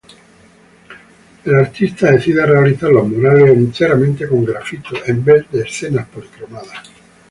El artista decide realizar los murales enteramente con grafito, en vez de escenas policromadas.